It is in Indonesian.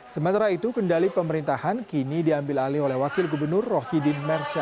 sementara itu kendali pemerintahan kini diambil alih oleh wakil gubernur rohidin mersa